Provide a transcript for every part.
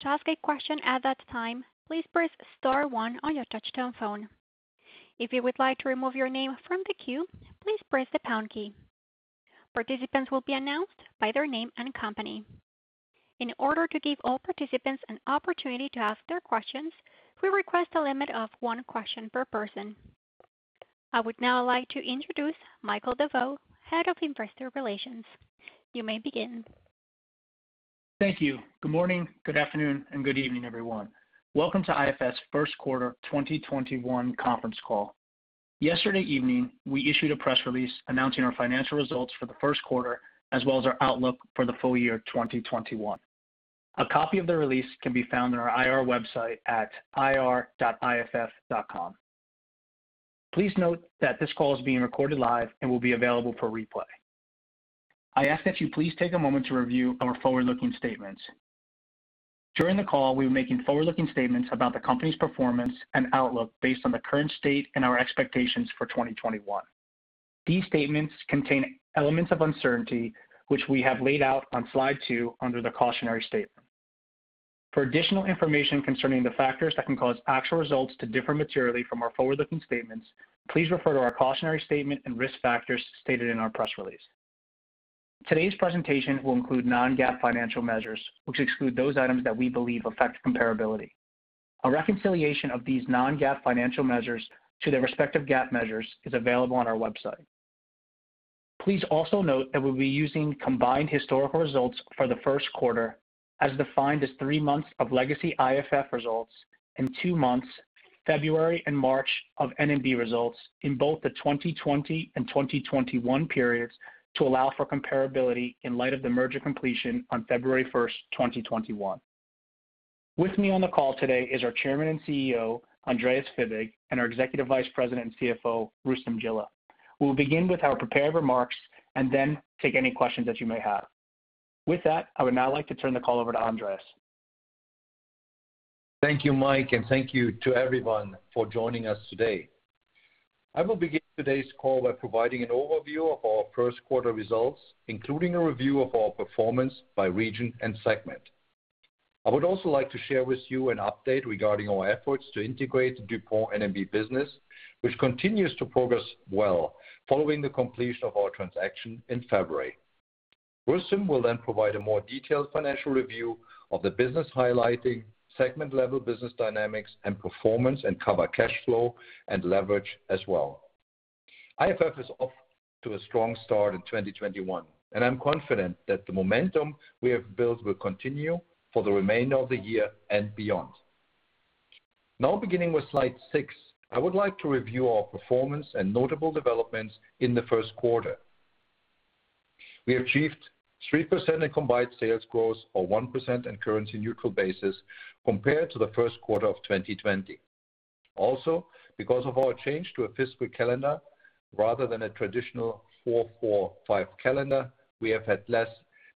To ask a question at a time please press star one on your touchtone phone. If you would like to remove your name from the queue please press the pound key. In order to give all participants an opportunity to ask their questions, we request a limit of one question per person. I would now like to introduce Michael Deveau, Head of Investor Relations. You may begin. Thank you. Good morning, good afternoon, and good evening, everyone. Welcome to IFF's Q1 2021 conference call. Yesterday evening, we issued a press release announcing our financial results for the Q1, as well as our outlook for the full year 2021. A copy of the release can be found on our IR website at ir.iff.com. Please note that this call is being recorded live and will be available for replay. I ask that you please take a moment to review our forward-looking statements. During the call, we'll be making forward-looking statements about the company's performance and outlook based on the current state and our expectations for 2021. These statements contain elements of uncertainty, which we have laid out on slide two under the cautionary statement. For additional information concerning the factors that can cause actual results to differ materially from our forward-looking statements, please refer to our cautionary statement and risk factors stated in our press release. Today's presentation will include non-GAAP financial measures, which exclude those items that we believe affect comparability. A reconciliation of these non-GAAP financial measures to their respective GAAP measures is available on our website. Please also note that we'll be using combined historical results for the Q1, as defined as three months of legacy IFF results and two months, February and March, of N&B results in both the 2020 and 2021 periods to allow for comparability in light of the merger completion on February 1st, 2021. With me on the call today is our Chairman and CEO, Andreas Fibig, and our Executive Vice President and CFO, Rustom Jilla. We will begin with our prepared remarks and then take any questions that you may have. With that, I would now like to turn the call over to Andreas. Thank you, Mike, and thank you to everyone for joining us today. I will begin today's call by providing an overview of our Q1 results, including a review of our performance by region and segment. I would also like to share with you an update regarding our efforts to integrate DuPont N&B business, which continues to progress well following the completion of our transaction in February. Rustom will then provide a more detailed financial review of the business, highlighting segment-level business dynamics and performance, and cover cash flow and leverage as well. IFF is off to a strong start in 2021. I'm confident that the momentum we have built will continue for the remainder of the year and beyond. Now beginning with slide six, I would like to review our performance and notable developments in the Q1. We achieved 3% in combined sales growth, or 1% in currency neutral basis, compared to Q1 of 2020. Because of our change to a fiscal calendar rather than a traditional 4-4-5 calendar, we have had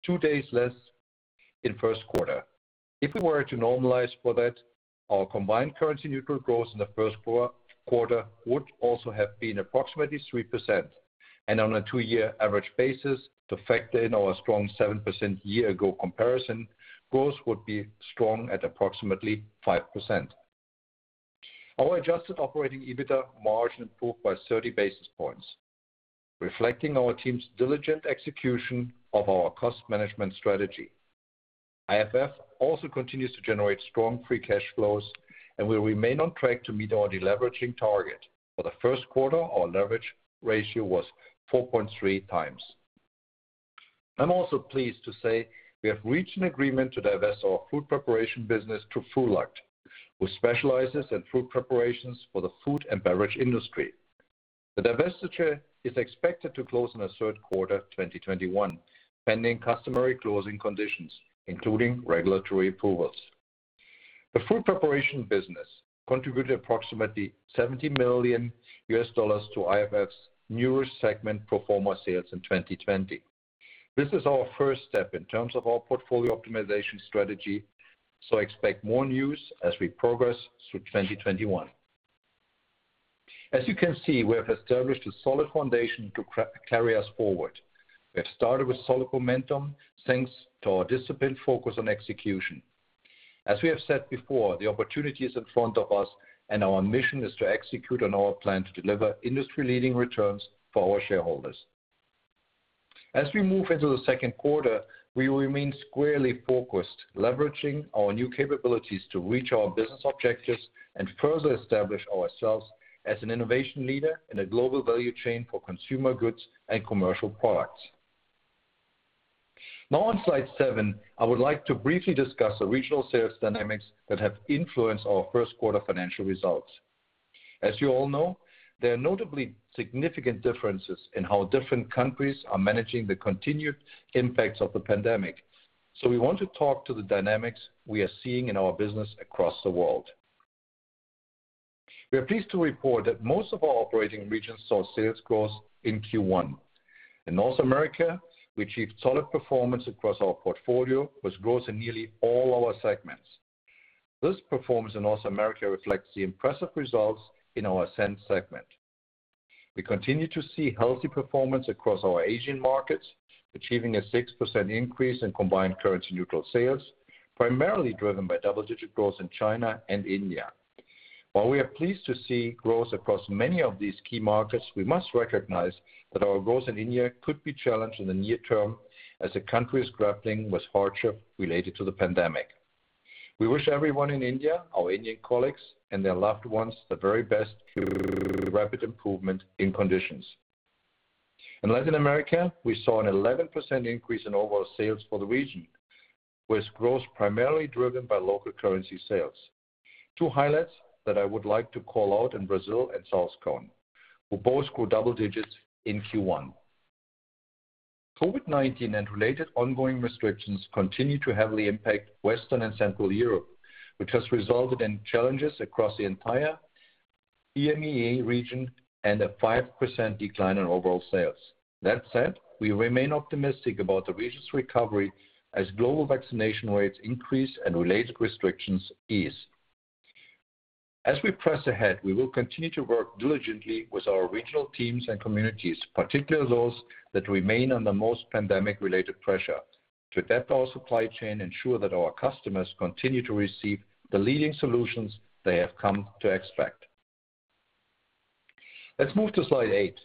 two days less in Q1. If we were to normalize for that, our combined currency neutral growth in the first quarter would also have been approximately 3%. On a two-year average basis, to factor in our strong 7% year ago comparison, growth would be strong at approximately 5%. Our adjusted operating EBITDA margin improved by 30 basis points, reflecting our team's diligent execution of our cost management strategy. IFF also continues to generate strong free cash flows, and we remain on track to meet our deleveraging target. For Q1, our leverage ratio was 4.3 times. I'm also pleased to say we have reached an agreement to divest our food preparation business to Frulact, who specializes in food preparations for the food and beverage industry. The divestiture is expected to close in the Q3 2021, pending customary closing conditions, including regulatory approvals. The food preparation business contributed approximately $70 million to IFF's segment pro forma sales in 2020. This is our first step in terms of our portfolio optimization strategy, so expect more news as we progress through 2021. As you can see, we have established a solid foundation to carry us forward. We have started with solid momentum, thanks to our disciplined focus on execution. As we have said before, the opportunity is in front of us, and our mission is to execute on our plan to deliver industry-leading returns for our shareholders. As we move into Q2, we will remain squarely focused, leveraging our new capabilities to reach our business objectives and further establish ourselves as an innovation leader in a global value chain for consumer goods and commercial products. On slide seven, I would like to briefly discuss the regional sales dynamics that have influenced our Q1 financial results. As you all know, there are notably significant differences in how different countries are managing the continued impacts of the pandemic. We want to talk to the dynamics we are seeing in our business across the world. We are pleased to report that most of our operating regions saw sales growth in Q1. In North America, we achieved solid performance across our portfolio, with growth in nearly all our segments. This performance in North America reflects the impressive results in our Scent segment. We continue to see healthy performance across our Asian markets, achieving a 6% increase in combined currency neutral sales, primarily driven by double-digit growth in China and India. While we are pleased to see growth across many of these key markets, we must recognize that our growth in India could be challenged in the near term as the country is grappling with hardship related to the pandemic. We wish everyone in India, our Indian colleagues, and their loved ones the very best to rapid improvement in conditions. In Latin America, we saw an 11% increase in overall sales for the region, with growth primarily driven by local currency sales. Two highlights that I would like to call out in Brazil and Southern Cone, who both grew double digits in Q1. COVID-19 and related ongoing restrictions continue to heavily impact Western and Central Europe, which has resulted in challenges across the entire EMEA region and a 5% decline in overall sales. That said, we remain optimistic about the region's recovery as global vaccination rates increase and related restrictions ease. As we press ahead, we will continue to work diligently with our regional teams and communities, particularly those that remain under most pandemic-related pressure, to adapt our supply chain, ensure that our customers continue to receive the leading solutions they have come to expect. Let's move to slide eight.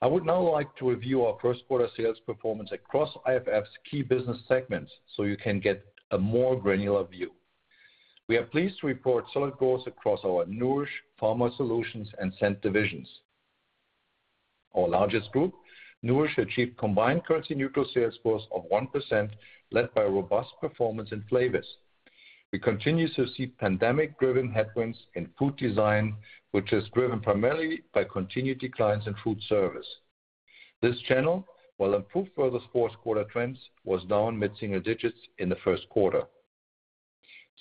I would now like to review our first quarter sales performance across IFF's key business segments so you can get a more granular view. We are pleased to report solid growth across our Nourish, Pharma Solutions, and Scent divisions. Our largest group, Nourish, achieved combined currency-neutral sales growth of 1%, led by robust performance in flavors. We continue to see pandemic-driven headwinds in food design, which is driven primarily by continued declines in food service. This channel, while improved from the fourth quarter trends, was down mid-single digits in the first quarter.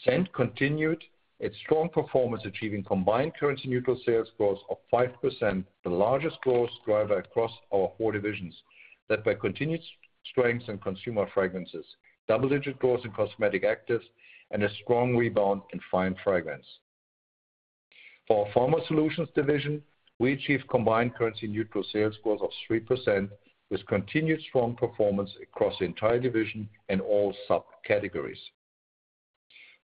Scent continued its strong performance, achieving combined currency-neutral sales growth of 5%, the largest growth driver across our four divisions, led by continued strengths in consumer fragrances, double-digit growth in cosmetic actives, and a strong rebound in fine fragrance. For our Pharma Solutions division, we achieved combined currency-neutral sales growth of 3%, with continued strong performance across the entire division and all subcategories.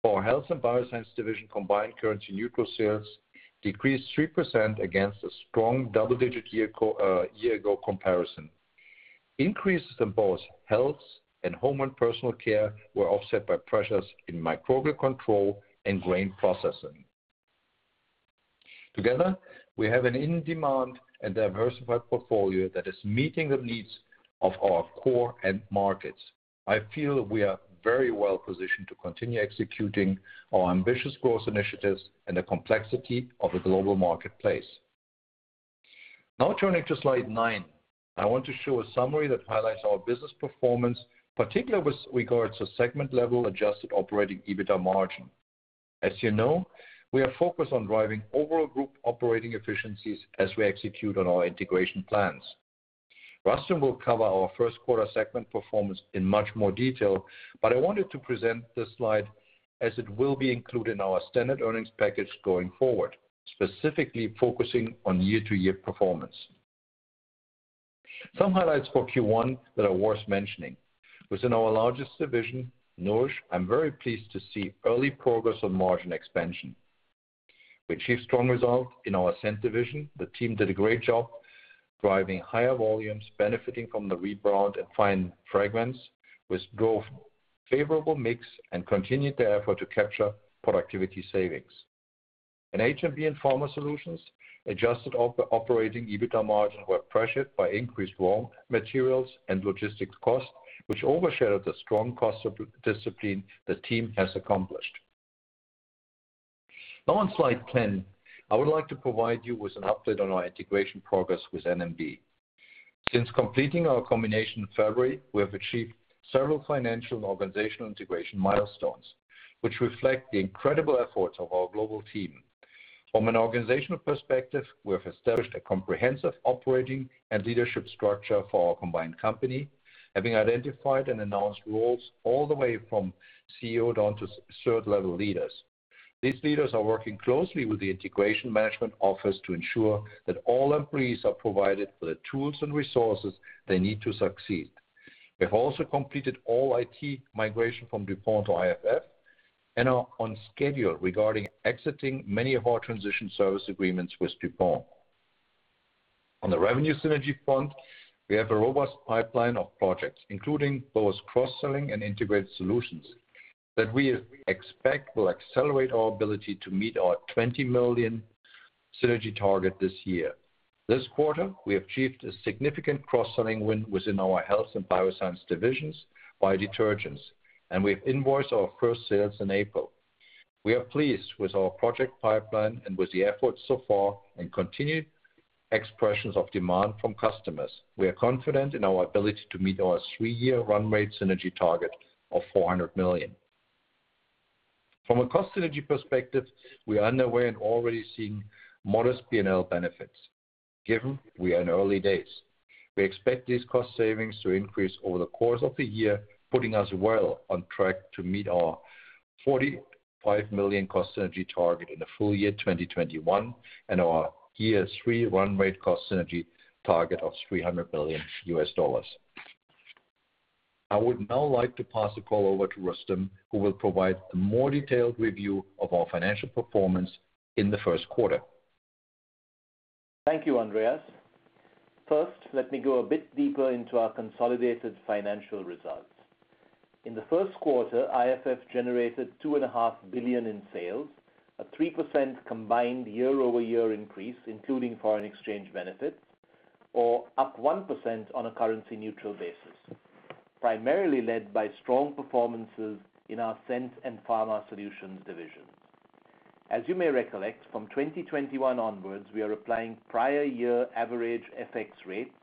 For our Health & Biosciences division, combined currency-neutral sales decreased 3% against a strong double-digit year-ago comparison. Increases in both health and home and personal care were offset by pressures in microbial control and grain processing. Together, we have an in-demand and diversified portfolio that is meeting the needs of our core end markets. I feel that we are very well positioned to continue executing our ambitious growth initiatives in the complexity of the global marketplace. Turning to slide nine, I want to show a summary that highlights our business performance, particularly with regards to segment-level adjusted operating EBITDA margin. As you know, we are focused on driving overall group operating efficiencies as we execute on our integration plans. Rustom will cover our first quarter segment performance in much more detail, but I wanted to present this slide as it will be included in our standard earnings package going forward, specifically focusing on year-to-year performance. Some highlights for Q1 that are worth mentioning. Within our largest division, Nourish, I'm very pleased to see early progress on margin expansion. We achieved strong results in our Scent division. The team did a great job driving higher volumes, benefiting from the rebound in fine fragrance, with both favorable mix and continued the effort to capture productivity savings. In H&B and Pharma Solutions, adjusted operating EBITDA margin were pressured by increased raw materials and logistics costs, which overshadowed the strong cost discipline the team has accomplished. Now on slide 10, I would like to provide you with an update on our integration progress with N&B. Since completing our combination in February, we have achieved several financial and organizational integration milestones, which reflect the incredible efforts of our global team. From an organizational perspective, we have established a comprehensive operating and leadership structure for our combined company, having identified and announced roles all the way from CEO down to third-level leaders. These leaders are working closely with the integration management office to ensure that all employees are provided with the tools and resources they need to succeed. We have also completed all IT migration from DuPont to IFF and are on schedule regarding exiting many of our transition service agreements with DuPont. On the revenue synergy front, we have a robust pipeline of projects, including both cross-selling and integrated solutions, that we expect will accelerate our ability to meet our $20 million synergy target this year. This quarter, we achieved a significant cross-selling win within our Health & Biosciences divisions by detergents, and we have invoiced our first sales in April. We are pleased with our project pipeline and with the efforts so far and continued expressions of demand from customers. We are confident in our ability to meet our three-year run rate synergy target of $400 million. From a cost synergy perspective, we are underway and already seeing modest P&L benefits, given we are in early days. We expect these cost savings to increase over the course of the year, putting us well on track to meet our $45 million cost synergy target in the full year 2021, and our year three run rate cost synergy target of $300 million. I would now like to pass the call over to Roustem, who will provide a more detailed review of our financial performance in the first quarter. Thank you, Andreas. Let me go a bit deeper into our consolidated financial results. In Q1, IFF generated $two and a half billion in sales, a 3% combined year-over-year increase, including foreign exchange benefits, or up 1% on a currency-neutral basis, primarily led by strong performances in our Scent and Pharma Solutions divisions. As you may recollect, from 2021 onwards, we are applying prior year average FX rates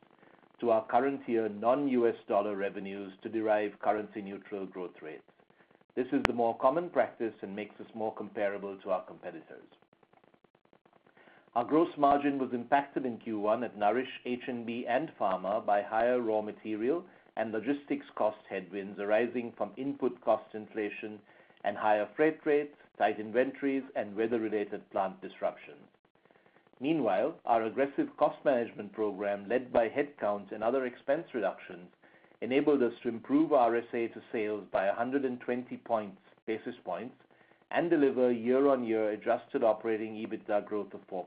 to our current year non-U.S. dollar revenues to derive currency-neutral growth rates. This is the more common practice and makes us more comparable to our competitors. Our gross margin was impacted in Q1 at Nourish, H&B, and Pharma by higher raw material and logistics cost headwinds arising from input cost inflation and higher freight rates, tight inventories, and weather-related plant disruptions. Meanwhile, our aggressive cost management program, led by headcounts and other expense reductions, enabled us to improve our SG&A to sales by 120 basis points and deliver year-on-year adjusted operating EBITDA growth of 4%.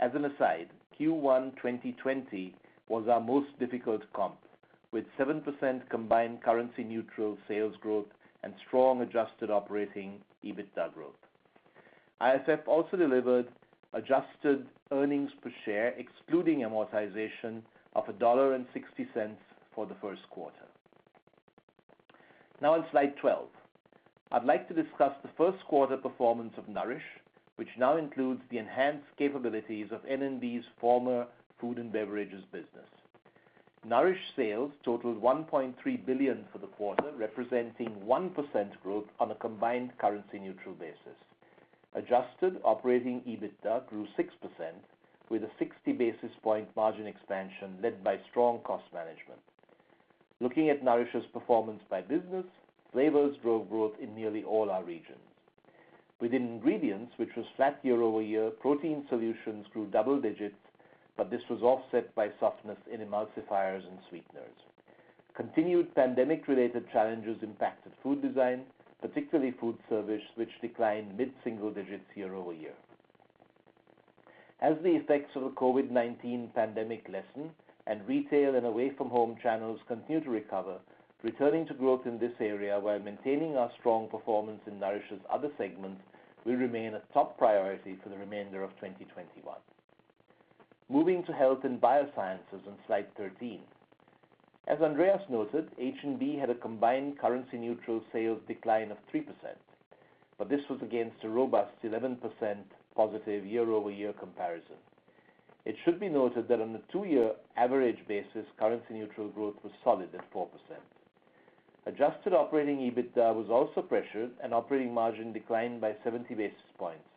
As an aside, Q1 2020 was our most difficult comp, with 7% combined currency neutral sales growth and strong adjusted operating EBITDA growth. IFF also delivered adjusted earnings per share excluding amortization of $1.60 for the first quarter. Now on slide 12. I'd like to discuss the Q1 performance of Nourish, which now includes the enhanced capabilities of N&B's former food and beverages business. Nourish sales totaled $1.3 billion for the quarter, representing 1% growth on a combined currency neutral basis. Adjusted operating EBITDA grew 6%, with a 60 basis point margin expansion led by strong cost management. Looking at Nourish's performance by business, flavors drove growth in nearly all our regions. Within ingredients, which was flat year-over-year, protein solutions grew double digits, but this was offset by softness in emulsifiers and sweeteners. Continued pandemic-related challenges impacted food design, particularly food service, which declined mid-single digits year-over-year. As the effects of the COVID-19 pandemic lessen and retail and away-from-home channels continue to recover, returning to growth in this area while maintaining our strong performance in Nourish's other segments will remain a top priority for the remainder of 2021. Moving to Health & Biosciences on slide 13. As Andreas noted, H&B had a combined currency neutral sales decline of 3%, but this was against a robust 11% positive year-over-year comparison. It should be noted that on a two-year average basis, currency neutral growth was solid at 4%. Adjusted operating EBITDA was also pressured, and operating margin declined by 70 basis points,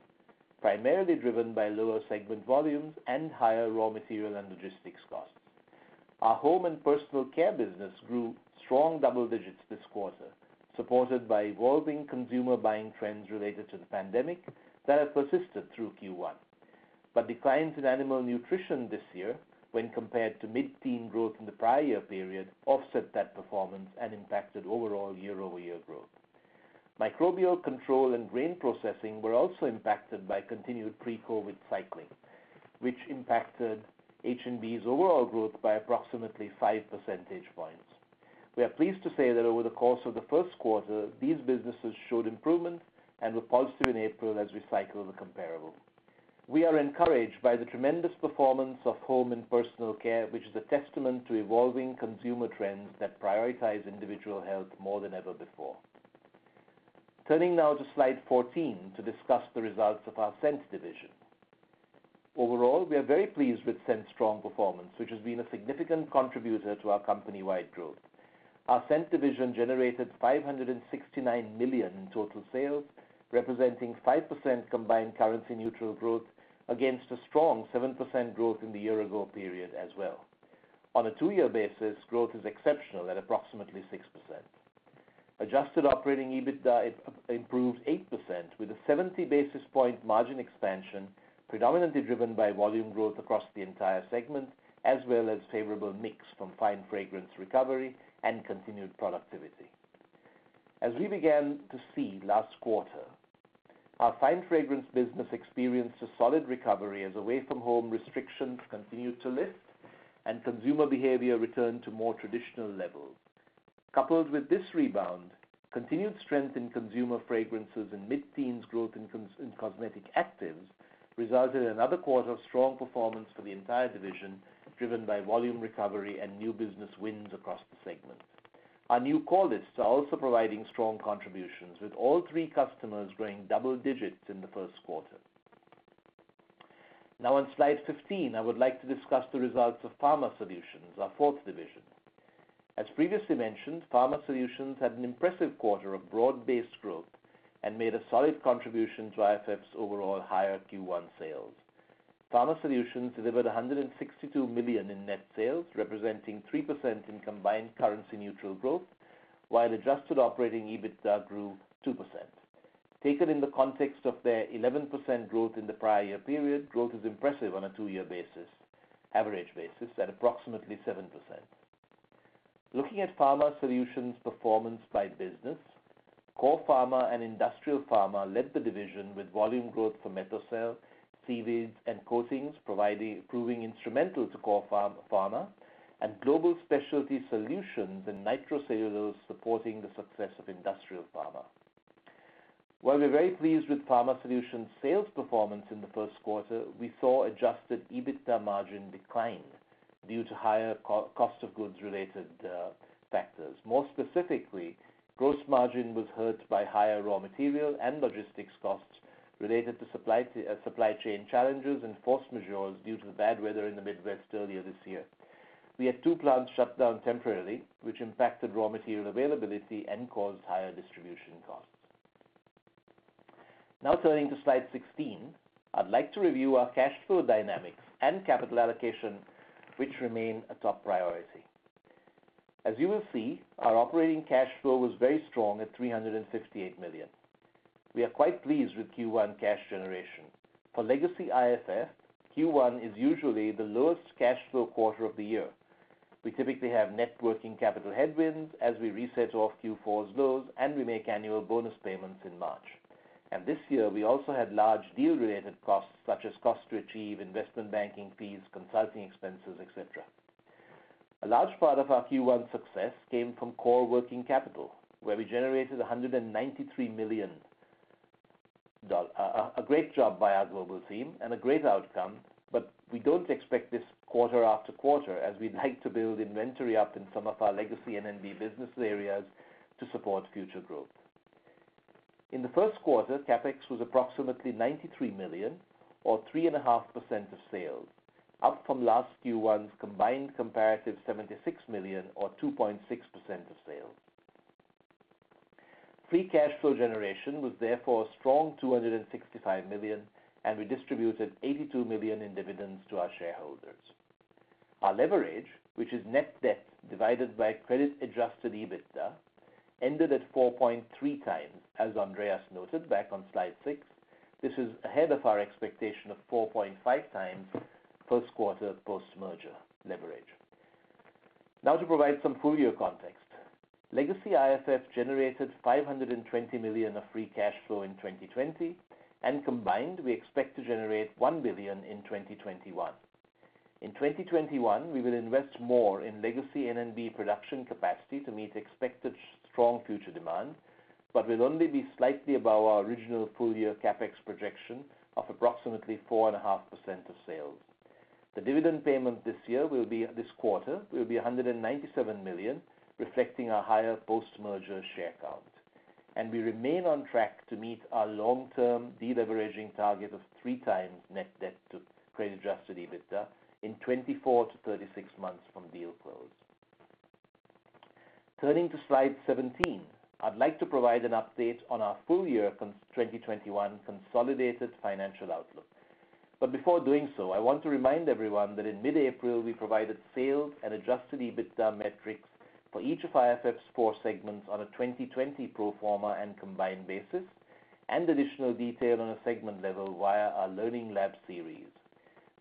primarily driven by lower segment volumes and higher raw material and logistics costs. Our home and personal care business grew strong double digits this quarter, supported by evolving consumer buying trends related to the pandemic that have persisted through Q1. Declines in animal nutrition this year when compared to mid-teen growth in the prior year period offset that performance and impacted overall year-over-year growth. Microbial control and grain processing were also impacted by continued pre-COVID cycling, which impacted H&B's overall growth by approximately five percentage points. We are pleased to say that over the course of the first quarter, these businesses showed improvement and were pulsing in April as we cycle the comparable. We are encouraged by the tremendous performance of home and personal care, which is a testament to evolving consumer trends that prioritize individual health more than ever before. Turning now to slide 14 to discuss the results of our Scent division. Overall, we are very pleased with Scent's strong performance, which has been a significant contributor to our company-wide growth. Our Scent division generated $569 million in total sales, representing 5% combined currency neutral growth against a strong 7% growth in the year-ago period as well. On a two-year basis, growth is exceptional at approximately 6%. Adjusted operating EBITDA improved 8%, with a 70 basis point margin expansion predominantly driven by volume growth across the entire segment, as well as favorable mix from fine fragrance recovery and continued productivity. As we began to see last quarter, our fine fragrance business experienced a solid recovery as away-from-home restrictions continued to lift and consumer behavior returned to more traditional levels. Coupled with this rebound, continued strength in consumer fragrances and mid-teens growth in cosmetic actives resulted in another quarter of strong performance for the entire division, driven by volume recovery and new business wins across the segment. Our new core lists are also providing strong contributions, with all three customers growing double digits in Q1. Now on slide 15, I would like to discuss the results of Pharma Solutions, our fourth division. As previously mentioned, Pharma Solutions had an impressive quarter of broad-based growth and made a solid contribution to IFF's overall higher Q1 sales. Pharma Solutions delivered $162 million in net sales, representing 3% in combined currency-neutral growth, while adjusted operating EBITDA grew 2%. Taken in the context of their 11% growth in the prior year period, growth is impressive on a two-year average basis at approximately 7%. Looking at Pharma Solutions' performance by business, Core Pharma and Industrial Pharma led the division with volume growth for METHOCEL, Sevinz, and Coatings proving instrumental to Core Pharma, and Global Specialty Solutions and Nitrocellulose supporting the success of Industrial Pharma. While we're very pleased with Pharma Solutions' sales performance in Q1, we saw adjusted EBITDA margin decline due to higher cost of goods-related factors. More specifically, gross margin was hurt by higher raw material and logistics costs related to supply chain challenges and force majeure due to the bad weather in the Midwest earlier this year. We had two plants shut down temporarily, which impacted raw material availability and caused higher distribution costs. Now turning to slide 16, I'd like to review our cash flow dynamics and capital allocation, which remain a top priority. As you will see, our operating cash flow was very strong at $358 million. We are quite pleased with Q1 cash generation. For legacy IFF, Q1 is usually the lowest cash flow quarter of the year. We typically have net working capital headwinds as we reset off Q4's lows, and we make annual bonus payments in March. This year, we also had large deal-related costs such as costs to achieve investment banking fees, consulting expenses, et cetera. A large part of our Q1 success came from core working capital, where we generated $193 million. A great job by our global team and a great outcome. We don't expect this quarter after quarter as we'd like to build inventory up in some of our legacy N&B business areas to support future growth. In the first quarter, CapEx was approximately $93 million or 3.5% of sales, up from last Q1's combined comparative $76 million or 2.6% of sales. Free cash flow generation was therefore a strong $265 million. We distributed $82 million in dividends to our shareholders. Our leverage, which is net debt divided by credit-adjusted EBITDA, ended at 4.3 times, as Andreas noted back on slide six. This is ahead of our expectation of 4.5 times first quarter post-merger leverage. To provide some full-year context. Legacy IFF generated $520 million of free cash flow in 2020. Combined, we expect to generate $1 billion in 2021. In 2021, we will invest more in legacy N&B production capacity to meet expected strong future demand, but we'll only be slightly above our original full-year CapEx projection of approximately 4.5% of sales. The dividend payment this quarter will be $197 million, reflecting our higher post-merger share count. We remain on track to meet our long-term deleveraging target of 3 times net debt to credit-adjusted EBITDA in 24 to 36 months from deal close. Turning to slide 17, I'd like to provide an update on our full-year 2021 consolidated financial outlook. Before doing so, I want to remind everyone that in mid-April, we provided sales and adjusted EBITDA metrics for each of IFF's four segments on a 2020 pro forma and combined basis, and additional detail on a segment level via our Learning Lab series.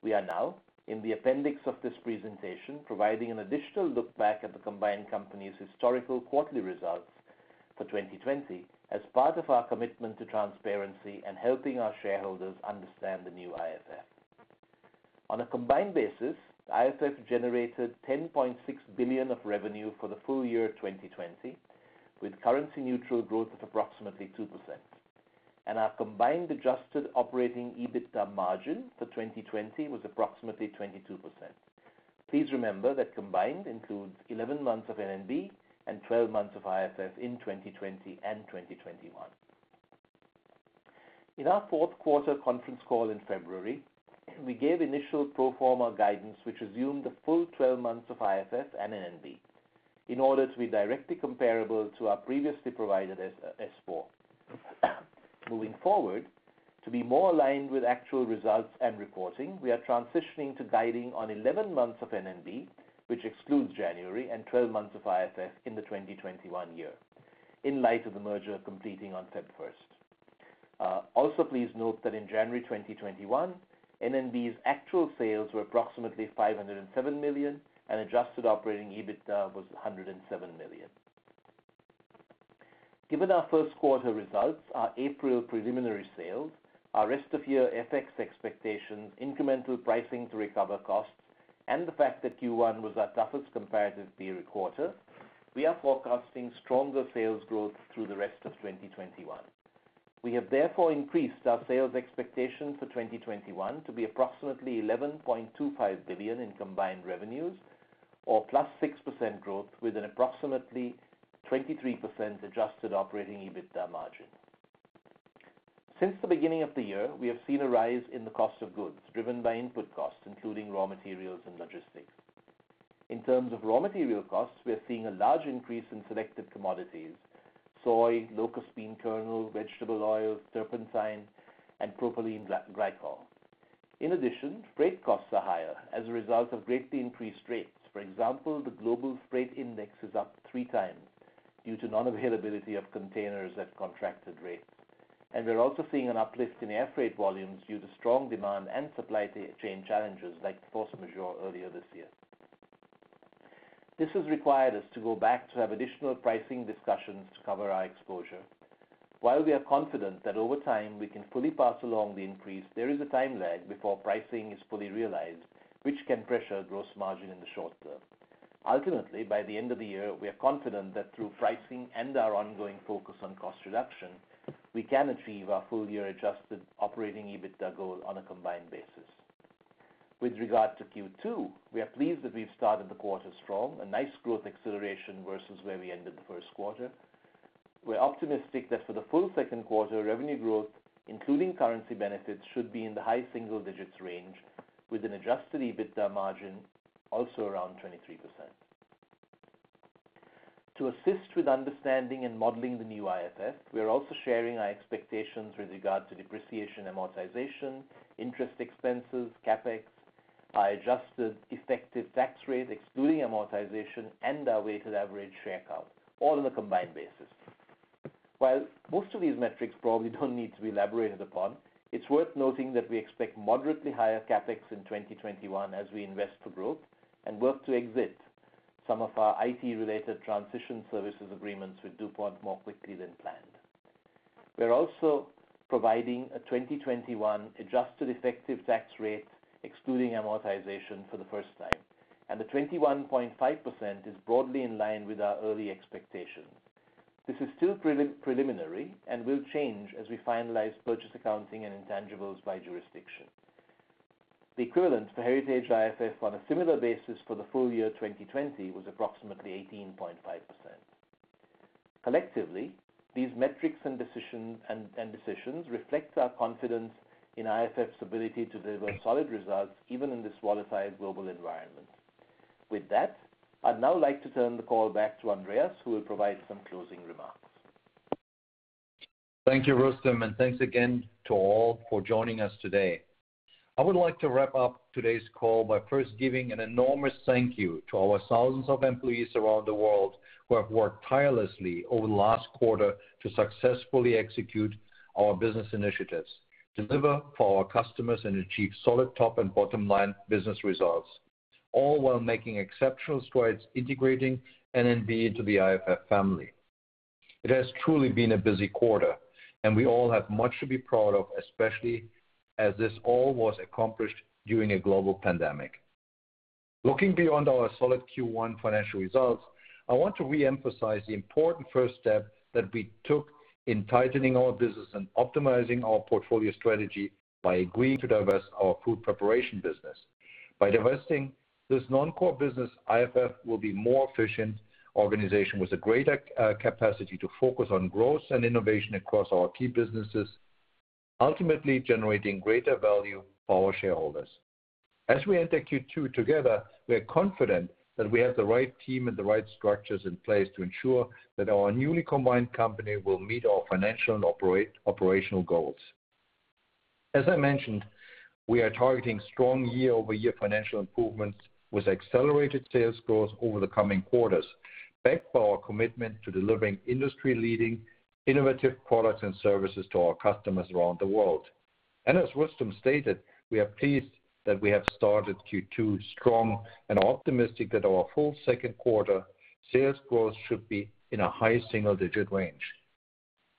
We are now, in the appendix of this presentation, providing an additional look back at the combined company's historical quarterly results for 2020 as part of our commitment to transparency and helping our shareholders understand the new IFF. On a combined basis, IFF generated $10.6 billion of revenue for the full year 2020, with currency-neutral growth of approximately 2%. Our combined adjusted operating EBITDA margin for 2020 was approximately 22%. Please remember that combined includes 11 months of N&B and 12 months of IFF in 2020 and 2021. In our fourth quarter conference call in February, we gave initial pro forma guidance, which assumed the full 12 months of IFF and N&B in order to be directly comparable to our previously provided S-4. Moving forward, to be more aligned with actual results and reporting, we are transitioning to guiding on 11 months of N&B, which excludes January and 12 months of IFF in the 2021 year in light of the merger completing on February 1st. Please note that in January 2021, N&B's actual sales were approximately $507 million and adjusted operating EBITDA was $107 million. Given our first quarter results, our April preliminary sales, our rest of year FX expectations, incremental pricing to recover costs, and the fact that Q1 was our toughest comparative period quarter, we are forecasting stronger sales growth through the rest of 2021. We have therefore increased our sales expectations for 2021 to be approximately $11.25 billion in combined revenues or +6% growth with an approximately 23% adjusted operating EBITDA margin. Since the beginning of the year, we have seen a rise in the cost of goods driven by input costs, including raw materials and logistics. In terms of raw material costs, we are seeing a large increase in selected commodities: soy, locust bean kernel, vegetable oils, turpentine, and propylene glycol. In addition, freight costs are higher as a result of greatly increased rates. For example, the global freight index is up three times due to non-availability of containers at contracted rates. We're also seeing an uplift in air freight volumes due to strong demand and supply chain challenges like force majeure earlier this year. This has required us to go back to have additional pricing discussions to cover our exposure. While we are confident that over time we can fully pass along the increase, there is a time lag before pricing is fully realized, which can pressure gross margin in the short term. Ultimately, by the end of the year, we are confident that through pricing and our ongoing focus on cost reduction, we can achieve our full-year adjusted operating EBITDA goal on a combined basis. With regard to Q2, we are pleased that we've started the quarter strong, a nice growth acceleration versus where we ended the first quarter. We're optimistic that for the full second quarter, revenue growth, including currency benefits, should be in the high single digits range with an adjusted EBITDA margin also around 23%. To assist with understanding and modeling the new IFF, we are also sharing our expectations with regard to depreciation, amortization, interest expenses, CapEx, our adjusted effective tax rate excluding amortization, and our weighted average share count, all on a combined basis. While most of these metrics probably don't need to be elaborated upon, it's worth noting that we expect moderately higher CapEx in 2021 as we invest for growth and work to exit some of our IT-related transition services agreements with DuPont more quickly than planned. We are also providing a 2021 adjusted effective tax rate excluding amortization for the first time, and the 21.5% is broadly in line with our early expectations. This is still preliminary and will change as we finalize purchase accounting and intangibles by jurisdiction. The equivalent for Heritage IFF on a similar basis for the full year 2020 was approximately 18.5%. Collectively, these metrics and decisions reflect our confidence in IFF's ability to deliver solid results even in this volatile global environment. With that, I'd now like to turn the call back to Andreas, who will provide some closing remarks. Thank you, Rustom, and thanks again to all for joining us today. I would like to wrap up today's call by first giving an enormous thank you to our thousands of employees around the world who have worked tirelessly over the last quarter to successfully execute our business initiatives, deliver for our customers, and achieve solid top and bottom line business results, all while making exceptional strides integrating N&B into the IFF family. It has truly been a busy quarter, and we all have much to be proud of, especially as this all was accomplished during a global pandemic. Looking beyond our solid Q1 financial results, I want to reemphasize the important first step that we took in tightening our business and optimizing our portfolio strategy by agreeing to divest our food preparation business. By divesting this non-core business, IFF will be more efficient, organization with a greater capacity to focus on growth and innovation across our key businesses, ultimately generating greater value for our shareholders. As we enter Q2 together, we are confident that we have the right team and the right structures in place to ensure that our newly combined company will meet our financial and operational goals. As I mentioned, we are targeting strong year-over-year financial improvements with accelerated sales growth over the coming quarters, backed by our commitment to delivering industry-leading innovative products and services to our customers around the world. As Rustom stated, we are pleased that we have started Q2 strong and are optimistic that our full Q2 sales growth should be in a high single-digit range.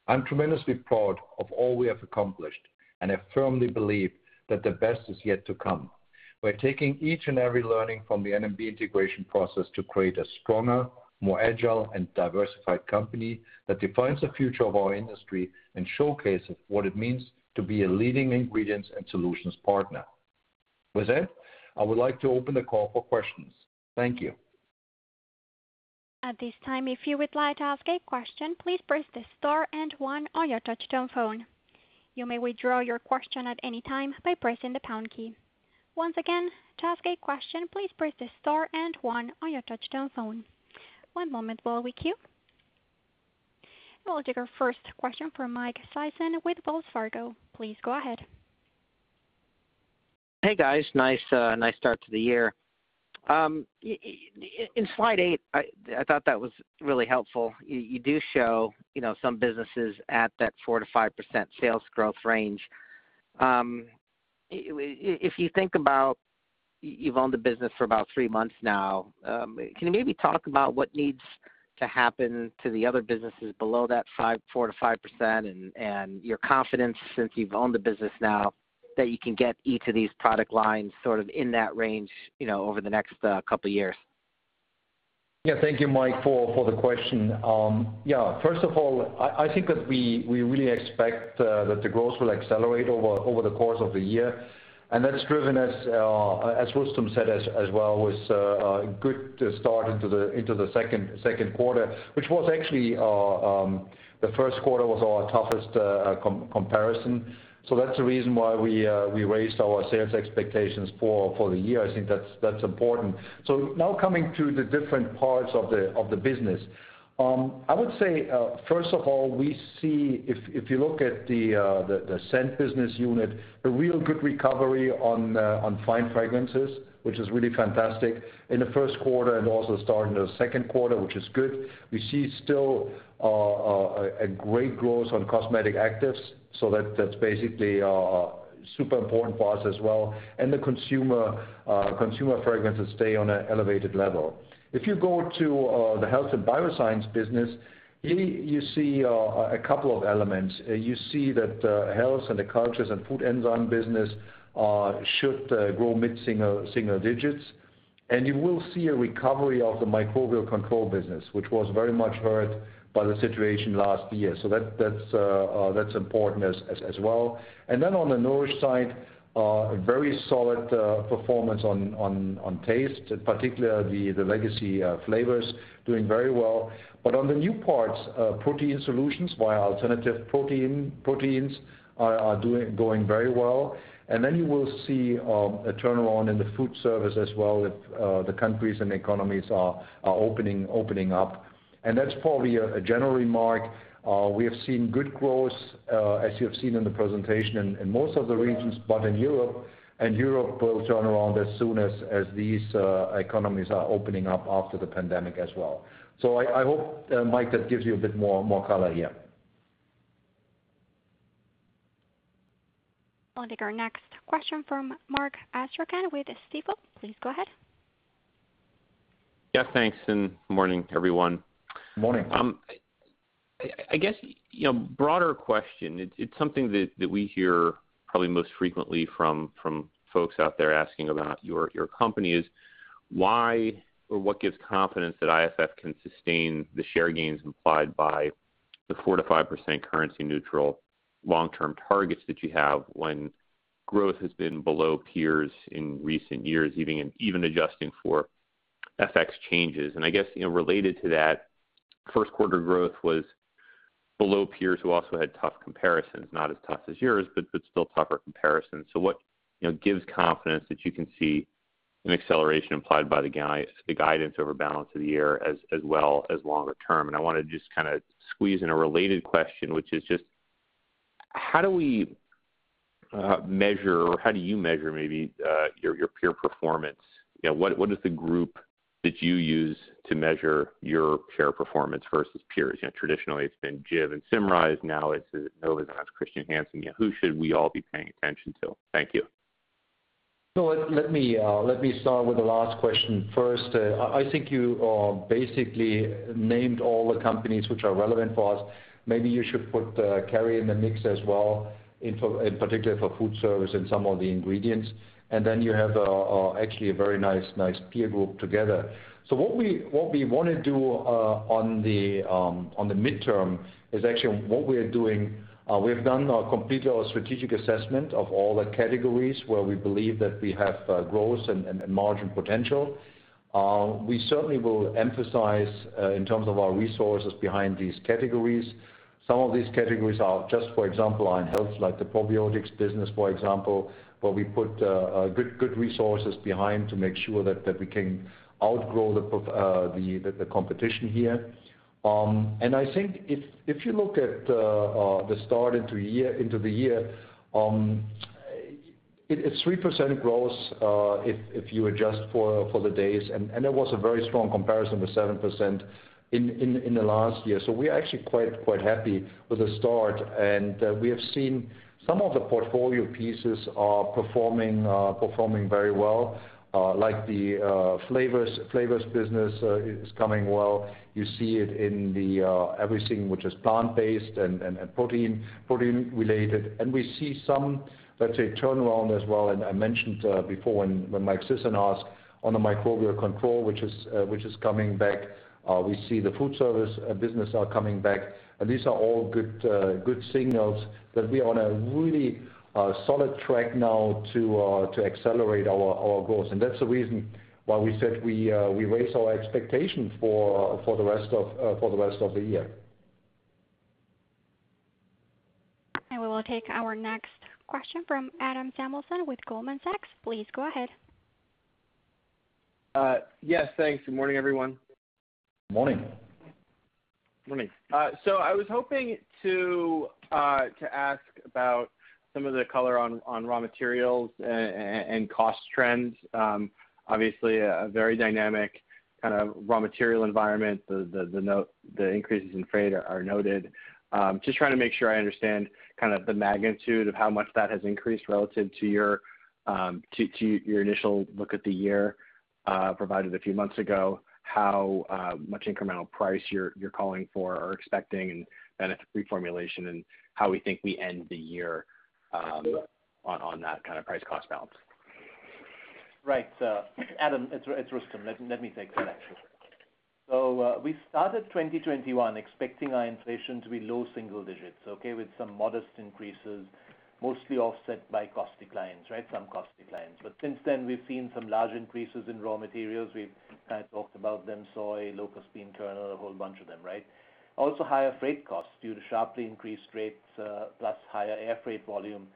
I'm tremendously proud of all we have accomplished, and I firmly believe that the best is yet to come. We're taking each and every learning from the N&B integration process to create a stronger, more agile, and diversified company that defines the future of our industry and showcases what it means to be a leading ingredients and solutions partner. With that, I would like to open the call for questions. Thank you. At this time, if you would like to ask a question, please press the star and one on your touchtone phone. You may withdraw your question at any time by pressing the pound key. Once again, to ask a question, please press the star and one on your touchtone phone. One moment while we queue. We'll take our first question from Michael Sison with Wells Fargo. Please go ahead. Hey, guys. Nice start to the year. Slide eight, I thought that was really helpful. You do show some businesses at that 4%-5% sales growth range. If you think about, you've owned the business for about three months now, can you maybe talk about what needs to happen to the other businesses below that 4%-5% and your confidence since you've owned the business now that you can get each of these product lines sort of in that range over the next couple years? Thank you, Mike, for the question. First of all, I think that we really expect that the growth will accelerate over the course of the year, and that's driven, as Rustom said as well, with a good start into the second quarter, which the first quarter was our toughest comparison. That's the reason why we raised our sales expectations for the year. I think that's important. Now coming to the different parts of the business. I would say, first of all, we see, if you look at the Scent business unit, a real good recovery on fine fragrances, which is really fantastic in the first quarter and also starting the second quarter, which is good. We see still a great growth on cosmetic actives. That's basically super important for us as well. The consumer fragrances stay on an elevated level. If you go to the Health & Biosciences business, here you see a couple of elements. You see that the Health and the cultures and food enzyme business should grow mid-single digits. You will see a recovery of the microbial control business, which was very much hurt by the situation last year. That's important as well. On the Nourish side, a very solid performance on taste, particularly the legacy flavors doing very well. On the new parts, protein solutions, our alternative proteins are going very well. You will see a turnaround in the food service as well if the countries and economies are opening up. That's probably a general remark. We have seen good growth, as you have seen in the presentation, in most of the regions, but in Europe. Europe will turn around as soon as these economies are opening up after the pandemic as well. I hope, Mike, that gives you a bit more color here. I'll take our next question from Mark Astrachan with Stifel. Please go ahead. Yeah, thanks, and morning, everyone. Morning. I guess, broader question. It's something that we hear probably most frequently from folks out there asking about your company is why or what gives confidence that IFF can sustain the share gains implied by the 4%-5% currency neutral long-term targets that you have when growth has been below peers in recent years, even adjusting for FX changes. I guess, related to that, first quarter growth was below peers who also had tough comparisons, not as tough as yours, but still tougher comparisons. What gives confidence that you can see an acceleration implied by the guidance over balance of the year as well as longer term? I want to just squeeze in a related question, which is just, how do we measure, or how do you measure maybe, your peer performance? What is the group that you use to measure your peer performance versus peers? Traditionally, it's been IFF and Symrise, now it's Novozymes, Chr. Hansen. Who should we all be paying attention to? Thank you. Let me start with the last question first. I think you basically named all the companies which are relevant for us. Maybe you should put Kerry in the mix as well, in particular for food service and some of the ingredients. You have actually a very nice peer group together. What we want to do on the midterm is actually what we're doing. We have done completely our strategic assessment of all the categories where we believe that we have growth and margin potential. We certainly will emphasize, in terms of our resources behind these categories. Some of these categories are just, for example, on health, like the probiotics business, for example, where we put good resources behind to make sure that we can outgrow the competition here. I think if you look at the start into the year, it's 3% growth, if you adjust for the days, there was a very strong comparison with 7% in the last year. We are actually quite happy with the start, and we have seen some of the portfolio pieces are performing very well. Like the flavors business is coming well. You see it in everything which is plant-based and protein-related. We see some, let's say, turnaround as well, and I mentioned before when Mike Sison asked on the microbial control, which is coming back. We see the food service business are coming back. These are all good signals that we are on a really solid track now to accelerate our growth. That's the reason why we said we raised our expectation for the rest of the year. We will take our next question from Adam Samuelson with Goldman Sachs. Please go ahead. Yes, thanks. Good morning, everyone. Morning. Morning. I was hoping to ask about some of the color on raw materials and cost trends. Obviously, a very dynamic raw material environment. The increases in freight are noted. Just trying to make sure I understand the magnitude of how much that has increased relative to your initial look at the year provided a few months ago, how much incremental price you're calling for or expecting, and then it's reformulation and how we think we end the year on that price cost balance. Right. Adam, it's Rustom. Let me take that actually. We started 2021 expecting our inflation to be low single digits, okay? With some modest increases, mostly offset by some cost declines. Since then, we've seen some large increases in raw materials. We've talked about them, soy, locust bean kernel, a whole bunch of them, right? Also higher freight costs due to sharply increased rates, plus higher air freight volume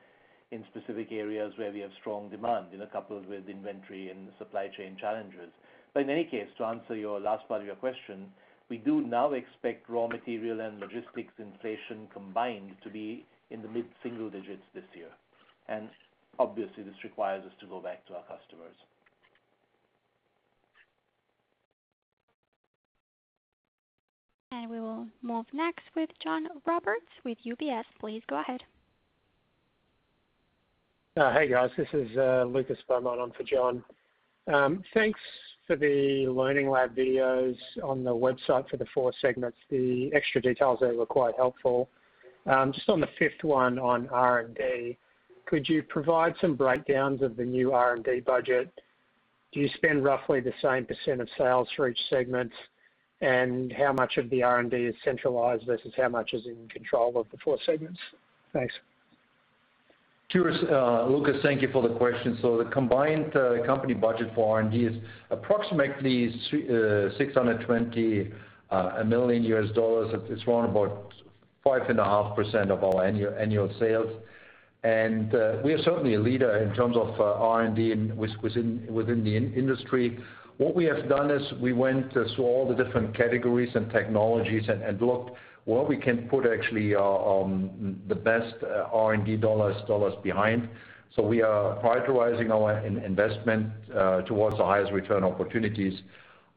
in specific areas where we have strong demand, coupled with inventory and supply chain challenges. In any case, to answer your last part of your question, we do now expect raw material and logistics inflation combined to be in the mid-single digits this year. Obviously this requires us to go back to our customers. We will move next with John Roberts with UBS. Please go ahead. Hey, guys. This is Lucas Beaumont on for John. Thanks for the Learning Lab videos on the website for the four segments. The extra details there were quite helpful. Just on the fifth one on R&D, could you provide some breakdowns of the new R&D budget? Do you spend roughly the same % of sales for each segment? How much of the R&D is centralized versus how much is in control of the four segments? Thanks. Lucas, thank you for the question. The combined company budget for R&D is approximately $620 million. It's around about 5.5% of our annual sales. We are certainly a leader in terms of R&D within the industry. What we have done is we went through all the different categories and technologies and looked where we can put actually the best R&D dollars behind. We are prioritizing our investment towards the highest return opportunities.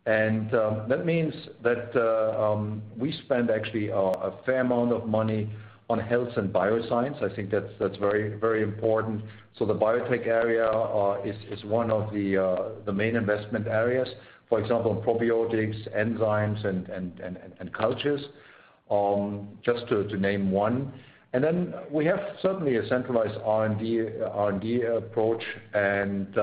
That means that we spend actually a fair amount of money on Health & Biosciences. I think that's very important. The biotech area is one of the main investment areas. For example, probiotics, enzymes, and cultures, just to name one. We have certainly a centralized R&D approach, and